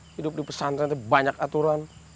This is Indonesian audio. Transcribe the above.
hidup di pesantren itu banyak aturan